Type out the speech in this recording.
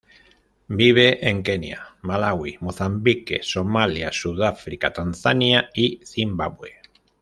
Vive en Kenia, Malaui, Mozambique, Somalia, Sudáfrica, Tanzania y Zimbabue.